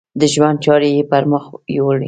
د ژوند چارې یې پر مخ یوړې.